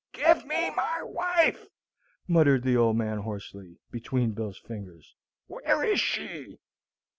"Give me my wife!" muttered the old man hoarsely, between Bill's fingers. "Where is she?"